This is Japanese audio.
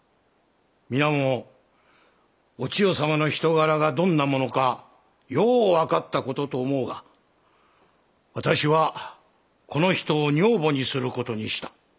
皆もお千代様の人柄がどんなものかよう分かった事と思うが私はこの人を女房にする事にした。